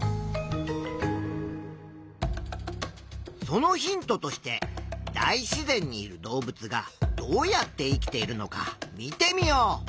そのヒントとして大自然にいる動物がどうやって生きているのか見てみよう。